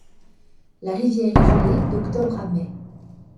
La rivière est gelée d'octobre à mai.